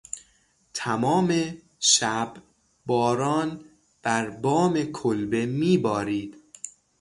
تمام شب باران بر بام کلبه میبارید.